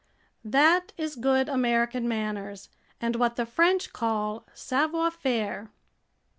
That is good American manners and what the French call savoir faire.